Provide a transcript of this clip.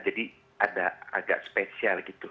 jadi agak spesial gitu